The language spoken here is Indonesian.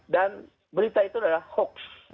dan berita itu adalah hoax